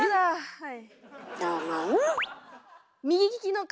はい。